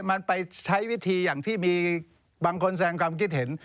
มันไปใช้วิธีอย่างที่มีบางคนแสงความคิดเห็น